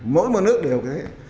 mỗi một nước đều thế